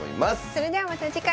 それではまた次回。